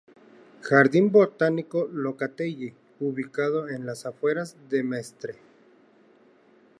Jardín Botánico Locatelli, ubicado en las afueras de Mestre.